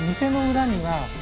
裏には？